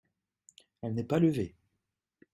Elle n’est pas levée ?…